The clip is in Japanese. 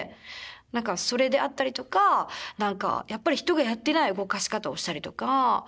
何かそれであったりとかやっぱり人がやってない動かし方をしたりとか。